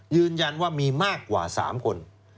ยืนยันว่ามีมากกว่า๓คน